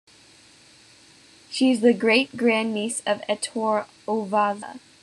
She is the great-grand-niece of Ettore Ovazza.